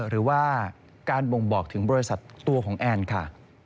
หรือว่าการบ่งบอกถึงบริษัทตัวของแอนค่ะ